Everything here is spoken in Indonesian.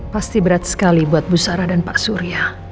pasti berat sekali buat bu sarah dan pak surya